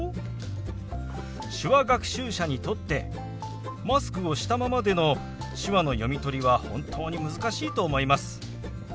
手話学習者にとってマスクをしたままでの手話の読み取りは本当に難しいと思います。